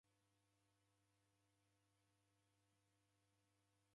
Ngalamvu radichea.